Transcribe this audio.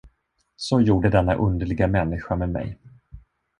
Så gjorde denna underliga människa med mig.